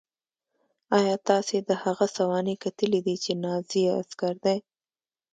ایا تاسې د هغه سوانح کتلې دي چې نازي عسکر دی